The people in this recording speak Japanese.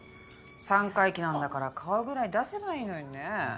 三回忌なんだから顔ぐらい出せばいいのにねぇ。